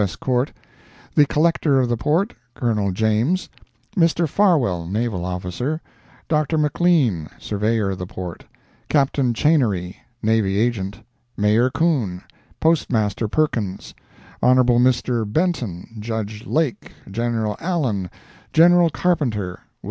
S. Court; the Collector of the Port, Colonel James; Mr. Farwell, Naval officer; Dr. McLean, Surveyor of the Port; Captain Chenery, Navy Agent; Mayor Coon; Postmaster Perkins; Hon. Mr. Benton, Judge Lake, General Allen, General Carpenter, Wm.